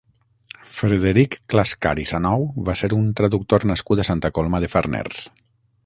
Frederic Clascar i Sanou va ser un traductor nascut a Santa Coloma de Farners.